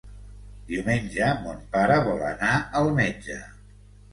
Diumenge mon pare vol anar al metge.